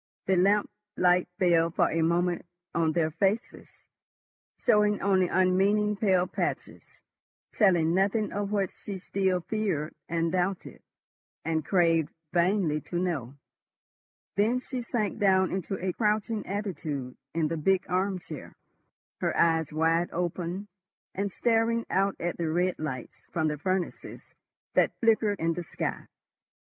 The lamp light fell for a moment on their faces, showing only unmeaning pale patches, telling nothing of what she still feared, and doubted, and craved vainly to know. Then she sank down into a crouching attitude in the big arm chair, her eyes wide open and staring out at the red lights from the furnaces that flickered in the sky.